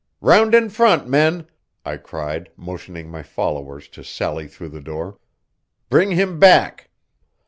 "Round in front, men!" I cried, motioning my followers to sally through the door. "Bring him back!"